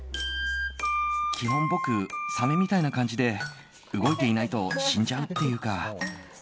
基本、僕、サメみたいな感じで動いていないと死んじゃうっていうか。